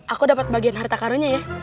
aku dapat bagian harta karunnya ya